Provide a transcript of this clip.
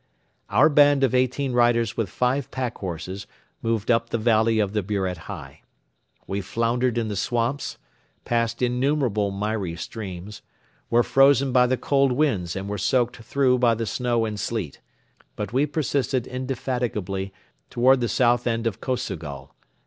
Our band of eighteen riders with five packhorses moved up the valley of the Buret Hei. We floundered in the swamps, passed innumerable miry streams, were frozen by the cold winds and were soaked through by the snow and sleet; but we persisted indefatigably toward the south end of Kosogol.